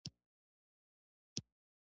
• هغه کسانو، چې نهشوی کولای دنده تر سره کړي.